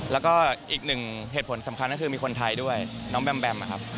แล้วก็อีกหนึ่งเหตุผลสำคัญก็คือมีคนไทยด้วยน้องแบมแบมนะครับ